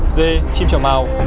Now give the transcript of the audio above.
dê chim trò màu